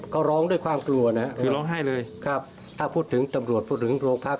เขาร้องด้วยความกลัวนะครับครับถ้าพูดถึงตำรวจพูดถึงโรงพักษณ์